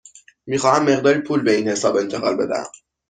می خواهم مقداری پول به این حساب انتقال بدهم.